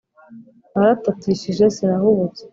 Naratatishije sinahubutse: